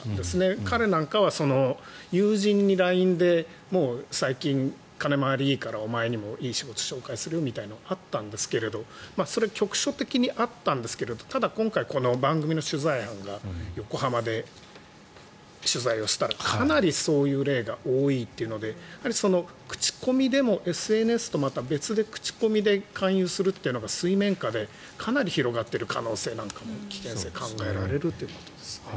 彼なんかは友人にＬＩＮＥで金回りがいいからお前にもいい仕事を紹介するというのがそれ、局所的にあったんですがただ、番組の取材班が横浜で取材をしたらかなりそういう例が多いというので口コミでもＳＮＳとはまた別で口コミで勧誘するというのが水面下でかなり広がっている可能性、危険性も考えられるということですね。